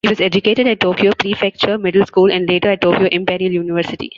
He was educated at Tokyo Prefecture Middle School and later at Tokyo Imperial University.